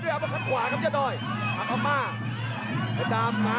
ด้วยอับประคับขวาครับยอดดอยอับประมาท